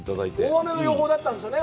大雨の予報だったんですよね。